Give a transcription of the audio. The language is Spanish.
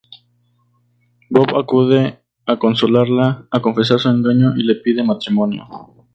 Bob acude a consolarla, a confesar su engaño y le pide matrimonio.